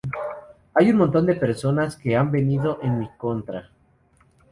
hay un montón de personas que han venido en mi contra